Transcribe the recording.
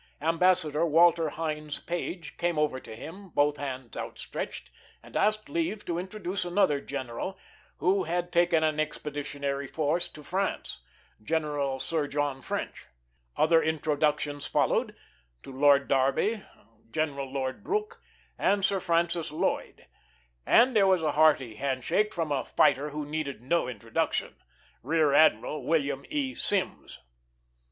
Ambassador Walter Hines Page came over to him, both hands outstretched, and asked leave to introduce another general who had taken an Expeditionary Force to France General Sir John French. Other introductions followed to Lord Derby, General Lord Brooke, and Sir Francis Lloyd. And there was a hearty handshake from a fighter who needed no introduction Rear Admiral William E. Sims.